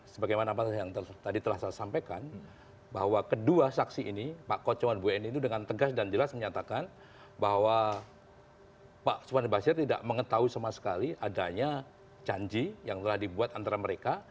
sebagaimana yang tadi telah saya sampaikan bahwa kedua saksi ini pak kocongan bu eni itu dengan tegas dan jelas menyatakan bahwa pak supar basir tidak mengetahui sama sekali adanya janji yang telah dibuat antara mereka